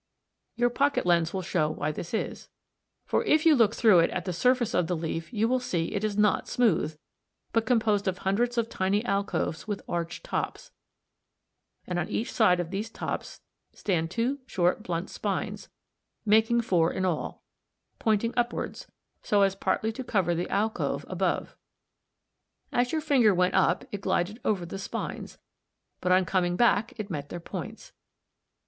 Your pocket lens will show why this is, for if you look through it at the surface of the leaf you will see it is not smooth, but composed of hundreds of tiny alcoves with arched tops; and on each side of these tops stand two short blunt spines (see 2, Fig. 72), making four in all, pointing upwards, so as partly to cover the alcove above. As your finger went up it glided over the spines, but on coming back it met their points.